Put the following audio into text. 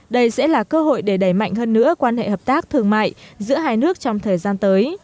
đây sẽ là cơ hội để đẩy mạnh hơn nữa quan hệ hợp tác thương mại giữa hai nước trong thời gian tới